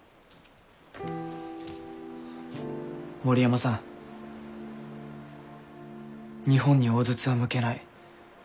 森山さん日本に大筒は向けない。